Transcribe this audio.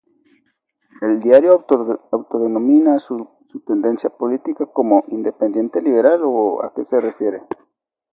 El diario autodenomina su tendencia política como "independiente liberal".